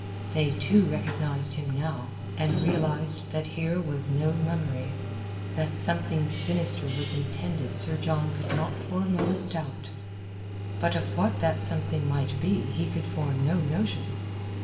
They too recognized him now, and realized that here was no mummery. That something sinister was intended Sir John could not for a moment doubt. But of what that something might be he could form no notion.